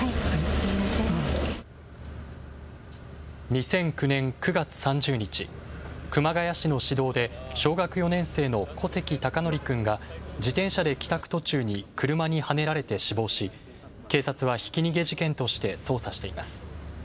２００９年９月３０日、熊谷市の市道で小学４年生の小関孝徳君が自転車で帰宅途中に車にはねられて死亡し警察はひき逃げ事件として捜査しています。